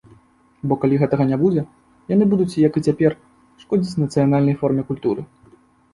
Бо калі гэтага не будзе, яны будуць, як і цяпер, шкодзіць нацыянальнай форме культуры.